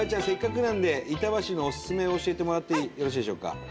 せっかくなんで板橋のおすすめを教えてもらってよろしいでしょうか。